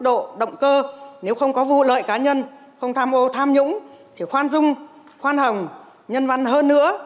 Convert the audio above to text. độ động cơ nếu không có vụ lợi cá nhân không tham ô tham nhũng thì khoan dung khoan hồng nhân văn hơn nữa